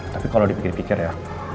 tapi kalau dipikir pikir ya